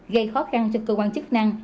gây khó khăn cho cơ quan chức năng